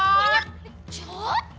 ちょっと！